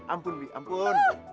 ampun bi ampun